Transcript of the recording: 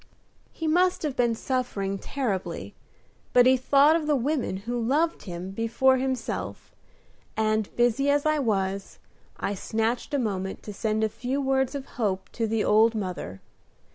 He must have been suffering terribly, but he thought of the women who loved him before himself, and, busy as I was, I snatched a moment to send a few words of hope to the old mother.